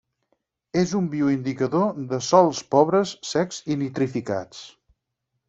És un bioindicador de sòls pobres, secs i nitrificats.